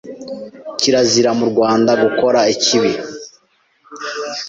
Kirazira murwanda gukora ikibi